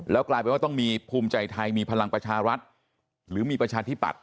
กลายเป็นว่าต้องมีภูมิใจไทยมีพลังประชารัฐหรือมีประชาธิปัตย